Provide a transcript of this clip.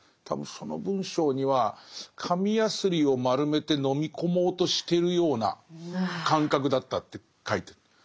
多分その文章には「紙やすりを丸めて飲み込もうとしてるような感覚だった」って書いてる。